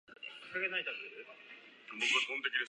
目的地を目指して、君と僕は団地の外へ向けて歩いたんだ